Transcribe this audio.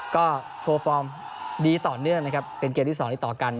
ก็โชว์ฟอร์มดีต่อเนื่องเป็นเกมที่สองที่ต่อกัน